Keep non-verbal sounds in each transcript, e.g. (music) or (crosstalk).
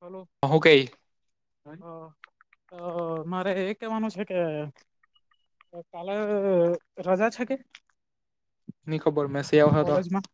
Hello. હું કઈ હા. અ મારે એ કેવાનું છે કે કાલે રજા છે કે? ની ખબર, મેસી આવ હતા. કોલેજમાં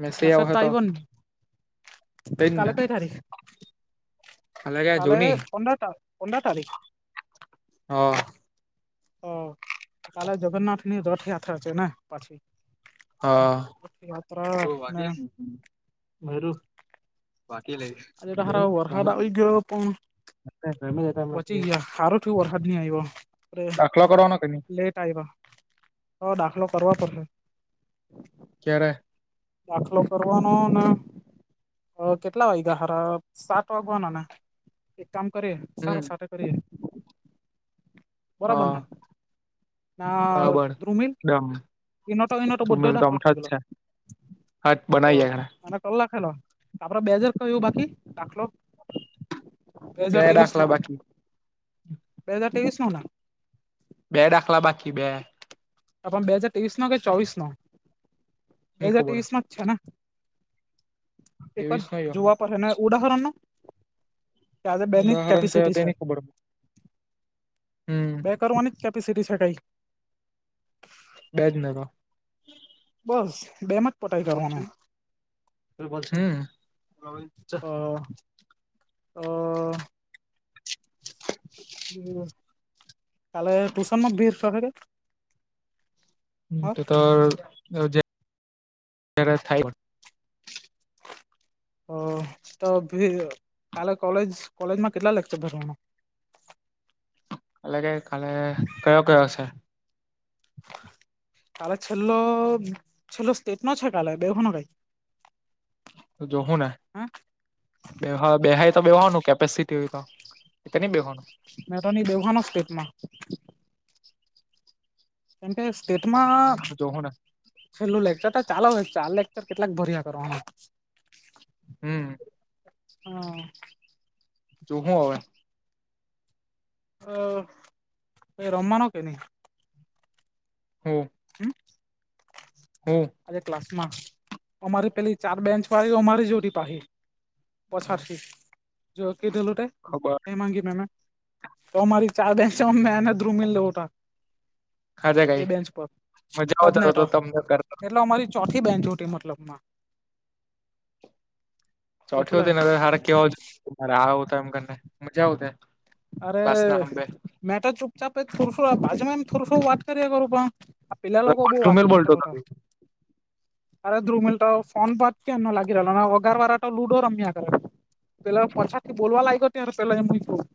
મેસી આવો મેસેજ તો હતા? આવ્યો તે જ ને. ખરી (unintelligible) અલા ક્યાં કાલે જોની પંદર તા પંદર તારીખ. હા. હ, કાલે જગન્નાથની રથયાત્રા છે ને પાછી હા. રથયાત્રા બહુ ને વાગે ની ને હારુ બાકી લ આજે તો હારા વરસાદ આવી ગયો પણ (inaudible) થયુ વરસાદ નહી આય્વો. તો કરવાનો કે ની લેટ આવ્યો. તો દાખલો કરવા પડશે? કયારે? દાખલો કરવાનો અને કેટલા વાગ્યા ખરા સાત વાગવાનાને એક કામ કરીએ હમ સારા સાતે કરીએ હ બરાબરને હા હવે બરાબર ધૃવીન ડમ ના ઇના ટો ઈના તોબધો ડાફલોટ થઈ ગયલા. હાટ બનાઈએ ઘણા અને કલા ખેલો આપડો બે હજાર કયું બાકી દાખલો બે હાજર ત્રેવીસ નો દાખલા બાકી બે હજાર તેવીસનોને બે દાખલા બાકી બે આ પણ બે હાજર ત્રેવીસ નો કે ચોવીસ નો? બે ની હાજર ખબર ત્રેવીસમાં છે ને એક જ ત્રેવીસ નો યો જોવા પડહેને ઉડાહરણમા આજે બેની જ ઉદાહરણ કયો કેપેસિટી તે છે. ની ખબર હમ બે કરવાની જ કેપેસિટી છે કઈ બેજનગર બસ બેમા જ પટાઈ જવાનુ ત બ છે (unintelligible) અ (unintelligible) કાલે ટુશનમાં ભી શફરે (unintelligible) તો તો (unintelligible) તો થાય તો કાલે કોલે કોલેજમાં કેટલા લેક્ચર ભરવાના? અ લગે કાલે (unintelligible) કયો કયો શે? કાલે છેલ્લો છેલ્લો સ્ટેટનો છે કાલે બેહવાનો કાઈ? તો જો હે ને હા બેહો બેહાય તો બેહવાનું કેપેસિટી હોય તો ની તો ની બેહવાનું મે તો ની બેહવાનો સ્ટેટમાં કેમ કે સ્ટેટમાં જોહું ને છેલ્લું લેકચર તો ચાલે અવે ચાલે કેટલાક ભરીયા કરવા ના હમ હ જો હું હવે? અ એ રમમાનો કે નહી? હમ્મ. હમ્મ. હમ્મ. આજે ક્લાસમાં અમારી પેલી ચાર બેન્ચવાળીઓ અમારી જો (unintelligible) પાહિ પછાળથી જો કીધેલું તે ખબર હેમાગી મેમ એ તો અમારી ચાર બેચો મેં ને ધ્રુમિલ, (unintelligible) હાજા એ કઈ બેન્ચ પર મજા હજ ને આવતા તો તમને કરતા એટલે અમારી ચોથી બેન્ચ હતી એ મતલબમાં ચોથો એટલે અતોને કેવા (unintelligible) આવો તમ બન્ને મજા આવશે અરે મે તો ચુપચાપ એ (unintelligible) બાજુમાં એમ થોડું થોડું વાત કરીયા કરું પણ પેલા લોકો બઉ વાત જુમેલ બોલતો કરતા હતા હતો અરે દ્રુમિલ તો ફોન બા કે ન લાગી રહલો ને અગારવારા તો લુડો રમીયા કરે પેલા પાછળથી બોલવા લાયગા ત્યારે પેલો એમ નીકળું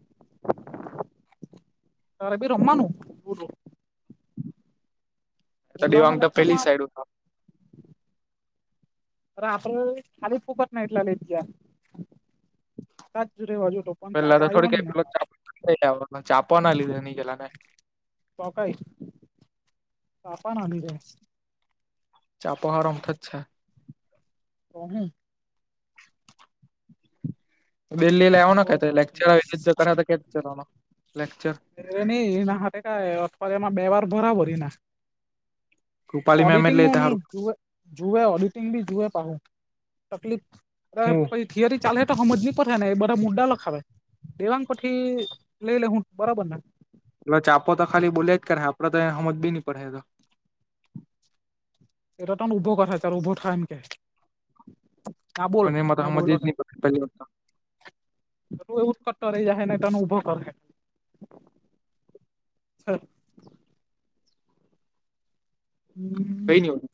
તારે ભી રમવાનું? (unintelligible) મુલ્લાના દેવાંગ તો પહેલી લેક્ચરમાં સાઈડ હોય અને આપડે ખાલી ફોક્ટના એટલા લેટ ગયા તાજ જ રેવા જોતો પણ પેલા ચાપો તો આવ્યો થોડી નઈ કોઈ ને (unintelligible) ચાપવાના લીધે નહી ગયેલા ને તો કંઇ, (unintelligible) ના લીધે (unintelligible) તો હું તો દિલ્હી લેવાનો ચાપો તો કહેતા ચાપો લેકચર એટલે જતાં હતા કરે તો લેક્ચર રે નહી એ ના હાથે કાય (unintelligible) એમાં બેવાર બરાવો રે ના રૂપાલી મેમ ઓડિટિંગ એટલે નું તે નહી હારું જુવે જુવે ઓડિટિંગ બી જુએ પાહું તકલીફ અરે હું પહિ થિયરી ચાલે તો હમજીએ હું ને એ બધા મુડા લખાવે દેવાંગ પર થી લઈ લે હું બરાબર ને? ચાપો તો ખાલી બોલ્યા જ કરે આપડે તો એ હમજ ભી નહી પડે એ તો. એ તો તને ઊભો કરે ચલ ઊભો થાય એમ કે હા બોલ પણ એમાં તો મેં હમજ બોલો જ નહી તાય પડે પહેલી વાત તો. તો તું એવું ઉત્કટ રહી જહે ન ને તન ઉભો કરે હેં. (unintelligible) હમ્મ કઈ નઈ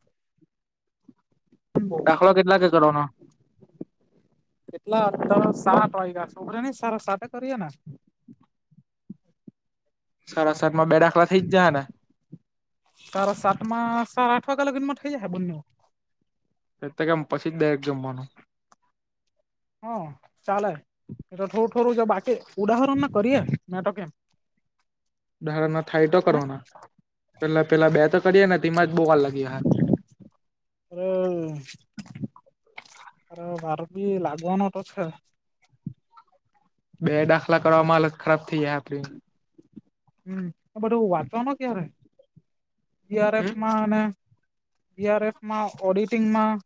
(unintelligible) દાખલો કેટલા વાગે કરવાનો? એટલા અત્યાર સાત વાઈગ્યા છોકરીઓને સાડા સાતે કરીએેન? સાડા સાતમાં બે દાખલા થઇ જયા ને? સાડા સાતમાં સાડા આઠ વાગ્યા લગનમાં થઇ જાય હ બન્ને. એ તો કેમ પછી જ દાયરેક્ટ જમવાનું? હ ચાલે એ તો થોડું થોડું જો બાકી ઉદાહરણના કરીએ મેં તો કેમ ઉદાહરનો થાય તો કરોનો પેલા પેલા બે તો કરીએ ને તેમાં જ બઉ વાર લાગી જાય હ. અરહ અર વારભી લાગવનો તો છ. બે દાખલા કરવામાં હાલત ખરાબ થઈ જાય આપણી. હમ આ બધું વાંચવાનું ક્યારે હમ સીઆરએફમાં અને સીઆરએફમાં, ઓડિટિંગમાં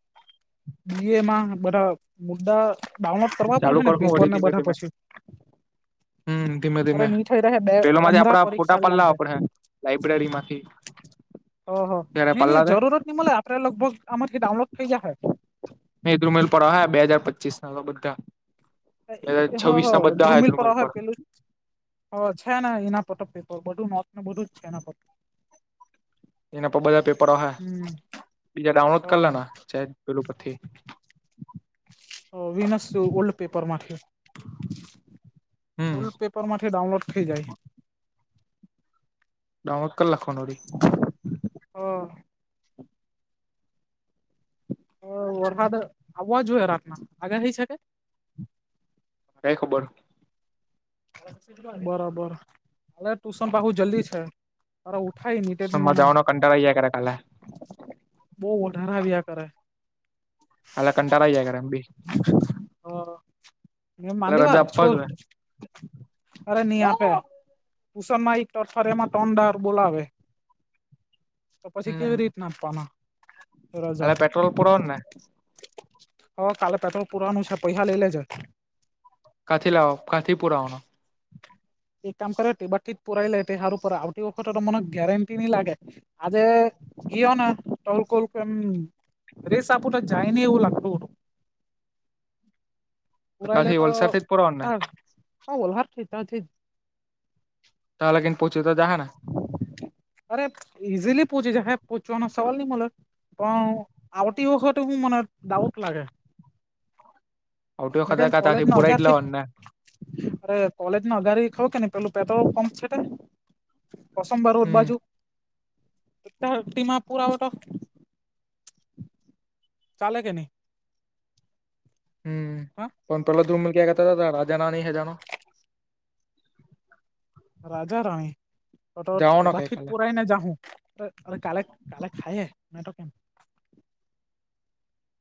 બીએમાં બધા મુદ્દા ડાઉનલોડ કરવા પડ હે ચાલુ ને, કર હું પેપર વળી ને ધીમે બધા ધીમે પછી હમ ધીમે અરે ધીમે ની થઈ રહે, બે પેલો હમરા આપડા પરીક્ષા ફોટા આવી પડેલા, લાગશે આપડે લાઈબ્રેરી માંથી હ, ત્યારે હ, પલ્લા તે જરૂરત ન બલે આપે, લગભગ આમામાંથી ડાઉનલોડ થઈ જયા હો. મેદુમલ પર બે હાજાર પચીસ ના બધા. એ હ છવ્વીસ હ ના બધા ધ્રુમિલ હતા, ઉમેર પર. પેલું હ છે ને, એના પતક પેપર બધું નતુ બધું જ છે, એના પ એના બધા પેપરો હમ બીજા ડાઉનલોડ કરો લેના ચજીપિથી પથી વિનસ ઓલ્ડ પેપરમાંથી હમ ઓલ્ડ પેપરમાંથી ડાઉનલોડ થઈ જાય. ડાઉનલોડ લખવા નોરી હમ્મ. વરસાદ આવવા જોઈએ, રાતના આગળ થઈ શકે. કઈ ખબર? બરાબર. ટુશન બહુ જલ્દી છે તરે, ઉઠાય ની તે દ સનમાં મને. જવાનો કંટાળા આઈ જયા કરે કાલે બહુ વધારે આવ્યા કરે. કાલા કંટા જાયે, એમ ભી. એ કાલે મામાંડીવાર રજા આપવા છોર જોઈએ અરે નહી આપે, ભૂષણ મા એમાં તડાર બોલાવે. પછી કેવી રીતે આપવાના? રજા અને પટ્રોલ પૂરુ ઉના કાલે પુરાણનું છે, પૈસા લઈલે જાય. કાલથી લાવો, કાલથી પૂર આવના. એક કામ કરો, તે જ બાજથી જ પુરાય લે તો સારો પડે, આવતી ફેરી કોઈ ગેરંટી નહીં લાગે મને. આજે કયોને ટોલ કોલ કે એમ. રેસ આપું તો જાયને, એવું લાગતું હતું. પરાલા કાથી તો વલસાડથી જ પુરાવાનું ને બોલ હાર છે, તો જ. તા લગી જ તો પહોંચી તો જાહે ને. અરે ઈઝીલી પૂછી છે, પૂછવાનો સવાલ નહીં મળલો. પણ આવતી વખત, હું મને ડાઉટ લાગે. આવતી વખતે બધાય કા તાથી કોલેજના પુરાઈ જ હગારશીટ. લાવવાનું ને અરે કોલેજ ના અગારી ખઉ કેન પેલું પેટ પંપ છે. કોસબ રોડ હમ બાજુ ટી પુરાવો તો. ચાલે કે નહીં. હું હા પણ પહેલા દૂરમલ ક્યા કરતા, રાજાના નહીં જાના. રાજા જાવાનો કે રાણીવાથી કાલે પુરાયને જાઉ. કાલે કાલે ખાય નાતો કેમ?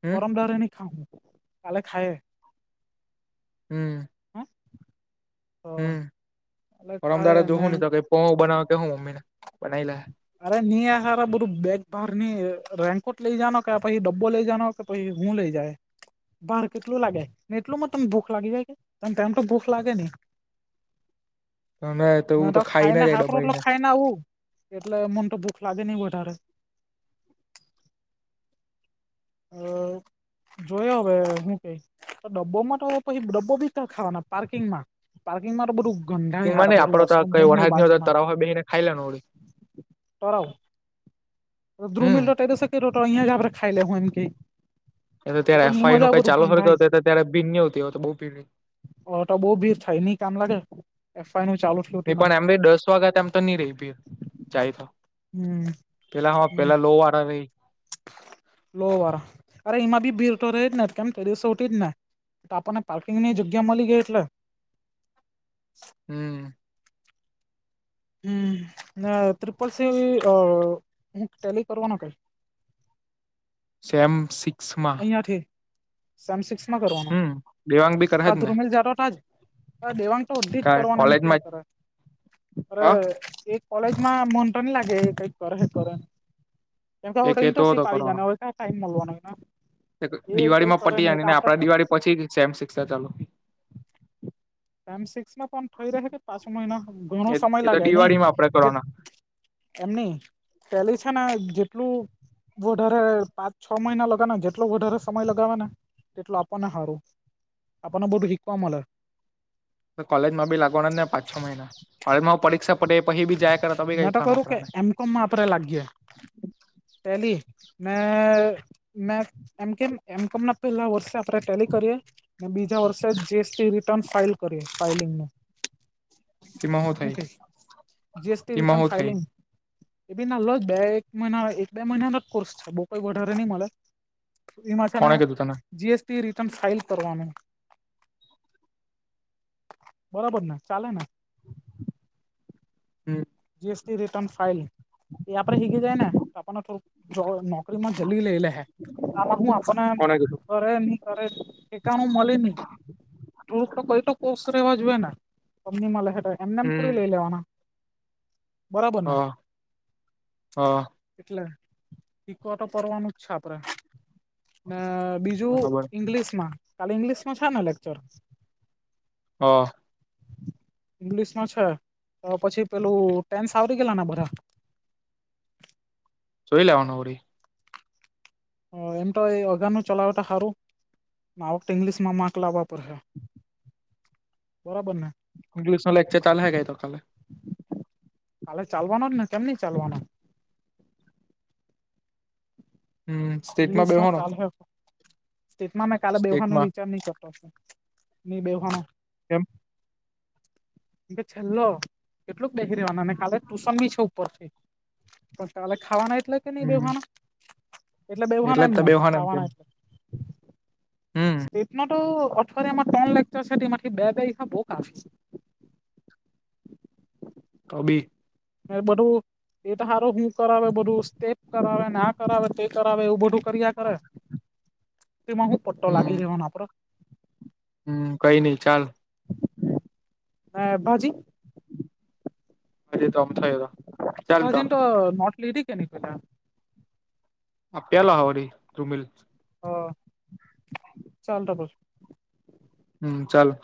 હમ ગરમ દરેની ખાઉ, હું કાલે ખાય. હું. તો હું કાલે પણ ખાયે ને અમદારજોવું નહીં તો, કેપો બનાવે કે, હું મમ્મી ને બનાવી લે. અરે નિએ સાર બરું બેગ બહારની રેંનકોટ લઈ જ કે, પછી ડબ્બો લઈ જવાનું. તો પછી હું લઈ જાય. બાર કેટલું લાગે ને, એટલુંમાં તમને ભૂખ લાગી જાય કે, તમામ તો ભૂખ લાગે નહીં. અને તેવું તો મેતો ખાઈને ખાયને, જાય શાક-રોટલો દબાઈને ખાયના આવું. એટલે મનતો ભૂખ લાગે નહિ વધારે. (inaudible) જોઈ હવે હું કે તો ડબ્બોમાં તો પછી ડબ્બો બી કા ખાવાના પાર્કિંગમાં? પાર્કિંગમાં તો બધું ગંધાય માં હારા નઈ બધું આપડો તો વોશરૂમ કઈ બને વરસાદ નહી હોતો બાજુમાં તળાવ હે બેહીને ખાઈ લેવાનું વળી તરાવ તો હમ ધુમિલ રટ એસ રોટિયા જે ખાઈ લેહો એમ કે, એતો એ ત્યારે તો ની એફઆઈનું મજા કંઈ બધું ચાલો થોડું કરું ગંધાય ત્યારે ભીન ન આવતી હોય તો બહુ (inaudible) હવે તો બઉ ભીડ થાય નઈ કામ લાગે એફઆઈ નું ચાલુ થઇ. ની પણ એમને દસ વાગ્યા એમ તો નહી રહી ભીડ જાય, હમ પેલા હ હમ પેલા લો વાળા આવે. લો વાર અરે એમાં ભી ભીર તો રહી જને કેમ તે કસોટી જને આપણને પાર્કિંગની જગ્યા મળી ગઈ એટલે હમ હમ આ ત્રિપલ સી અ હુક ટેલી કરવાનો કે. સેમ સિક્સમાં ક્યાંથી સેમ સિક્સમાં કરવાના હમ દેવાંગ બી કરે આ જ ને ધુમિલ જાતા તા જ હ દેવાંગ તો બધી જ કરવાના એમ કોલેજમાં ક્યાં કરે જ હ અ એક કોલેજમાં મન તોન લાગે કંઈક કરેે કરેને કેમ કે એ તો કેતો હતો ઇન્ટરિપશિપ આવી જા કરવાનો ને, ક્યાં ટાઈમ મળલવાનો એને એ કઈ દિવાળીમાં કરે પતિને નહી અને આપડા આપડે દિવાળી પછી સેમ સિક્સ ચાલુ, ટાઈમ સિક્સમાં પણ થઈ રહે કે પાંચ મહિના ઘણો એ સમય એ તો લાગે નહીં દિવાળીમાં આપડે જે કરવાના એમની પેલી છે ને જેટલું વધારે પાંચ છ મહિના લગાને જેટલો વધારે સમય લગાવવાને તેટલું આપણને સારું આપણને બધું શીખવા મલે. કોલેજમાં ભી લાગવાના જ ને પાંચ છ મહિના કોલેજમાં પરીક્ષા પડે એ પછી ભી જાય. કરે તો બી કઈ નાટક થવાનું કરું કે આપડાને એમ. કોમમા આપડે લાગીએ પહેલી મે મેમ એમ કેમ એમ કોમ ના પેલા વર્ષે આપણે ટેલી કરીએ? અને બીજા વર્ષે જ જીએસટી રિટર્ન ફાઇલ કરી ફાઈલિંગનું. એમાં હું થાય? જીએસટી એમાં રિટર્ન હું થઈ ફાઈલિંગ. એ બી ના લો બે એક મહિના એક બે મહિના નો જ કોર્સ છે બઉ કોઈ વધારે નહી મળે. એમાં છે ને કોને કીધું તને જીએસટી રિટર્ન ફાઇલ કરવાનું. બરાબર ને ચાલે ને? હમ્મ જીએસટી રિટર્ન ફાઈલ. એ આપડે હીગી જાય ને આપણને થોડુંક જો નોકરીમાં જલ્દી લઈ લે હે. આમાં હું આપને કોને કીધું કરે ની કરે ઠેકાણું મળે નહી. થોડુક તો કઈ તો કોસ રહેેવા જોએ ને કંપનીમાં લેહે તો એમને એમ થોડી હમ લઈ લેવાના. બરાબર ને? હા હા એટલે ઈકો તો પરવાનું જ છે આપડે ને બીજું જો બરાબર ઇંગ્લિશમાં કાલે ઇંગ્લિશમાં શના લેક્ચર? હા. ઇંગ્લિશમાં છે તો પછી પેલું ટેન આવરી ગેલાને બધા? જોઈ લેવાનું વળી. હમ્મ એમ તો એ અગાનું ચલાવે તો હારું. આ વખતે ઈંગ્લિશમાં માર્ક લાવવા પડશે, બરાબર ને. ઇંગ્લિશમાં લેક્ચર ચાલે હે કે, એકાઉન્ટ ચાલે? કાલે ચાલવાનો જ ને, કેમ નહી ચાલવાનો? હમ્મ, સ્ટેટમાં બેવા ઇંગ્લિશમાં નો. ચાલે સ્ટેટમાં મેં કાલે બેહવાનો સ્ટેટમાં વિચાર નહી કરતો ની બેવાનો. કેમ? (unintelligible) કે છેલ્લો કેટલુંક બેસી રેવાનું, અમે કાલે ટુશન બી છે ઉપરથી. પણ કાલે ખાવાના એટલે કે નહી હમ બેહવાના, એટલે બેવાના જ એમ તો ના બેહવાનો એમ કેમ ખાવાના એટલે. હમ સ્ટેટમાં તો અઠવાડિયાના ત્રણ લેકચર છે, તેમાંથી બે બે તારીખ ના બઉ કાફી છે. (unintelligible) તો બી. એ બધું. એ તો સારો શું કરાવે? બધું સ્ટેપ કરાવેને, ના કરાવે, તે કરાવે એવું બધું. કરીયા કરે, તેમાં શું પટ્ટો લાગી જવા આપડો? હમ્મ, કઈ નઈ ચાલે. હા, એ બાજી. આજે તો આમ થયું તું. હજી, તો નોંધ લીધી કે, નહિ પેલા આ પેલા વળી ધ્રુમિલ હા, ચાલ તો પસ હમ્મ, ચાલ.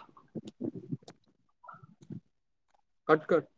અટકટ.